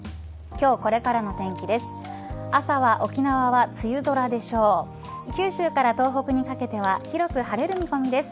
今日これからの天気です。